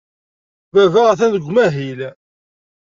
Baba atan deg umahil.